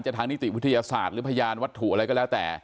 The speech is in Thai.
ทางนิติวิทยาศาสตร์หรือพยานวัตถุอะไรก็แล้วแต่